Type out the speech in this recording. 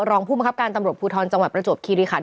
รองผู้บังคับการตำรวจภูทรจังหวัดประจวบคีริขัน